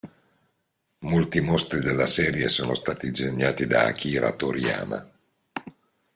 Molti mostri della serie sono stati disegnati da Akira Toriyama.